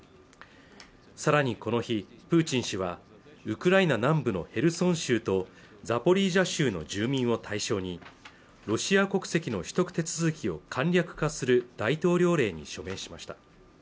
さらにこの日プーチン氏はウクライナ南部のヘルソン州とザポリージャ州の住民を対象にロシア国籍の取得手続きを簡略化する大統領令に署名しました